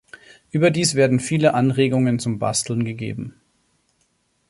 Überdies werden viele Anregungen zum Basteln gegeben.